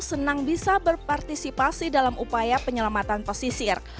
senang bisa berpartisipasi dalam upaya penyelamatan pesisir